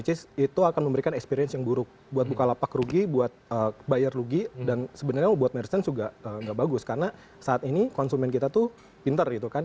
which itu akan memberikan experience yang buruk buat bukalapak rugi buat bayar rugi dan sebenarnya buat merchant juga nggak bagus karena saat ini konsumen kita tuh pinter gitu kan